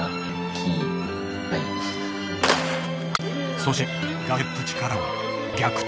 そして崖っぷちからの逆転。